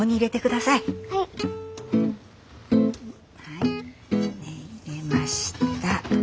はい入れました。